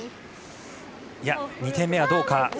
いや、２点目はどうか。